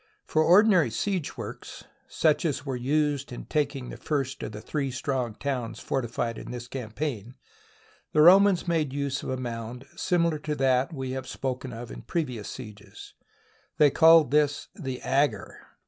For ordinary siege works, such as were used in taking the first of the three strong towns fortified in this campaign, the Romans made use of a mound similar to that we have spoken of in previous sieges. This they called the " agger."